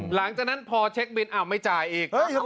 หลังจากนั้นพอเช็คบินอ้าวไม่จ่ายอีก